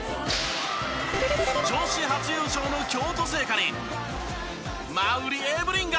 女子初優勝の京都精華に馬瓜エブリンが！